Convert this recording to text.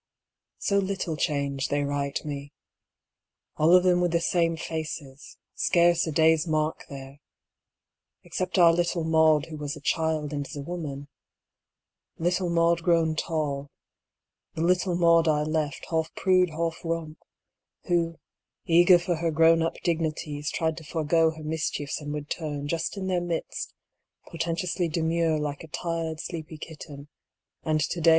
So little change, they write me: all of them with the same faces, scarce a day's mark there — except our little Maude who was a child and is a woman: little Maude grown tall: the little Maude I left half prude half romp, who, eager for her grown up dignities, tried to forego her mischiefs and would turn, just in their midst, portentously demure like a tired sleepy kitten, and to day COMING HOME.